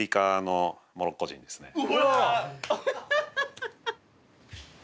うわ！